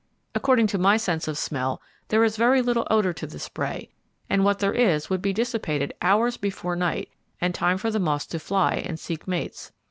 According to my sense of smell there is very little odour to the spray and what there is would be dissipated hours before night and time for the moths to fly and seek mates.